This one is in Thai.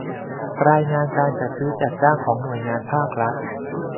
รายงานการจัดซื้อจัดจ้างของหน่วยงานภาครัฐ